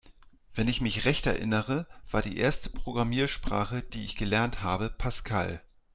Wenn ich mich recht erinnere, war die erste Programmiersprache, die ich gelernt habe, Pascal.